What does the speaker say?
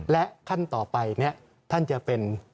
และขั้นต่อไปท่านจะเป็น